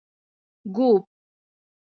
ږوب